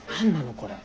これ。